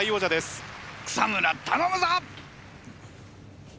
草村頼むぞ！